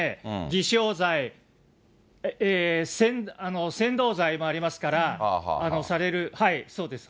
偽証罪、扇動罪もありますから、される、そうです。